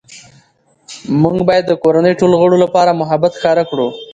موږ باید د کورنۍ ټولو غړو لپاره محبت ښکاره کړو